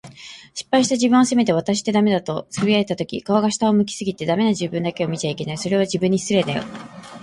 失敗した自分を責めて、「わたしってダメだ」と俯いたとき、顔が下を向き過ぎて、“ダメ”な自分だけ見ちゃいけない。それは、自分に失礼だよ。